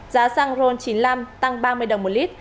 giá xăng ron chín mươi năm tăng ba mươi đồng một lít